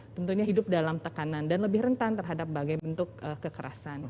tentunya hidup dalam tekanan dan lebih rentan terhadap bagai bentuk kekerasan